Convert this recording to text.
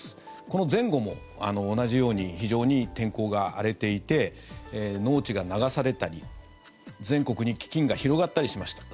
この前後も同じように非常に天候が荒れていて農地が流されたり、全国に飢きんが広がったりしました。